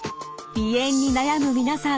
鼻炎に悩む皆さん